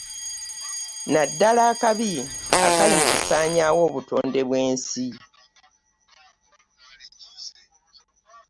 Nnaddala akabi akali mu kusaanyaawo obutonde bw'ensi.